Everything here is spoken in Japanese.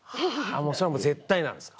もうそれはもう絶対なんですね。